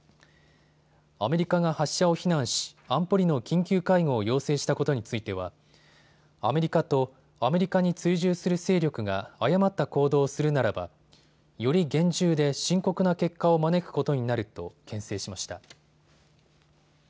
アメリカが発射を非難し、安保理の緊急会合を要請したことについてはアメリカと、アメリカに追従する勢力が誤った行動をするならばより厳重で深刻な結果を招くことになるとけん制しました。